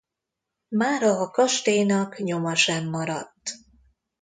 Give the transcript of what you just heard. Mára a kastélynak nyoma sem maradt.